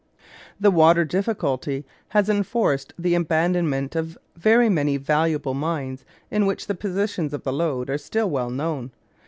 The water difficulty has enforced the abandonment of very many valuable mines in which the positions of the lodes are still well known.